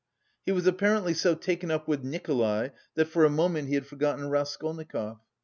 He was apparently so taken up with Nikolay that for a moment he had forgotten Raskolnikov.